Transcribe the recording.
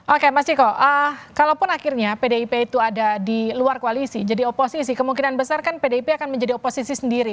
oke mas ciko kalaupun akhirnya pdip itu ada di luar koalisi jadi oposisi kemungkinan besar kan pdip akan menjadi oposisi sendiri